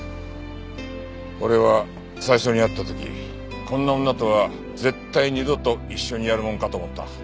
俺は最初に会った時こんな女とは絶対二度と一緒にやるもんかと思った。